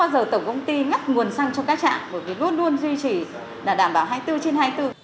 bởi vì luôn luôn duy trì là đảm bảo hai mươi bốn trên hai mươi bốn